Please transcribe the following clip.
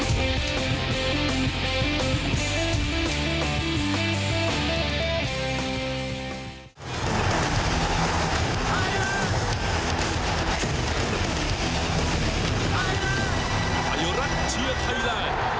โปรดติดตามตอนต่อไป